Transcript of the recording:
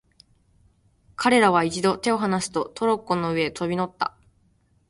彼等は一度に手をはなすと、トロッコの上へ飛び乗った。